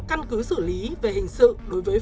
căn cứ xử lý về hình sự đối với